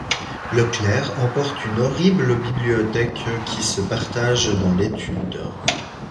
Le clerc emporte une horrible bibliothèque qui se partage dans l’étude.